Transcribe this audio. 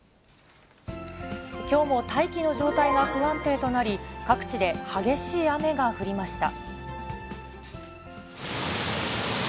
きょうも大気の状態が不安定となり、各地で激しい雨が降りました。